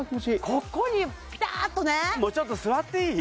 ここにピタッとねもうちょっと座っていい？